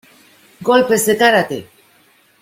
¡ Golpes de kárate!